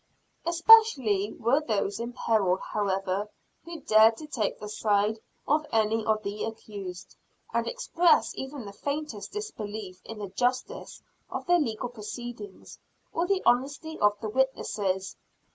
Especially were those in peril, however, who dared to take the side of any of the accused, and express even the faintest disbelief in the justice of the legal proceedings, or the honesty of the witnesses.